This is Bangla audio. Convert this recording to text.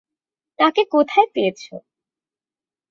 তাকে কোথায় পেয়েছ?